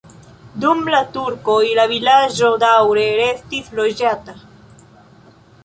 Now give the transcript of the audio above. Dum la turkoj la vilaĝo daŭre restis loĝata.